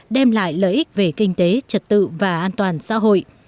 đem lại lợi ích về kinh tế trật tự và an toàn xã hội